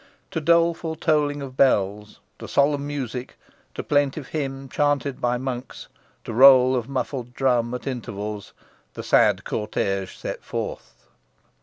To doleful tolling of bells to solemn music to plaintive hymn chanted by monks to roll of muffled drum at intervals the sad cortège set forth.